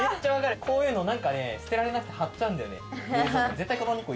こういうの捨てられなくて貼っちゃうんだよね。